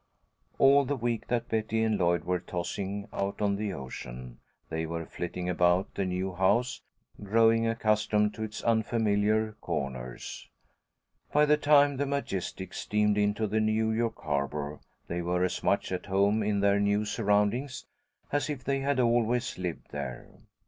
All the week that Betty and Lloyd were tossing out on the ocean, they were flitting about the new house, growing accustomed to its unfamiliar corners. By the time the Majestic steamed into the New York harbour, they were as much at home in their new surroundings as if they had always lived there.